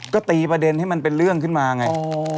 ก็ตีประเด็นให้มันเป็นเรื่องขึ้นมาไง